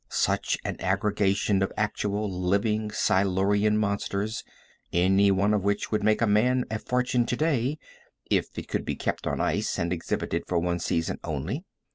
Such an aggregation of actual, living Silurian monsters, any one of which would make a man a fortune to day, if it could be kept on ice and exhibited for one season only.